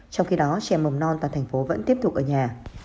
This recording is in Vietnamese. trong khi đó trẻ mầm non toàn thành phố vẫn tiếp tục ở nhà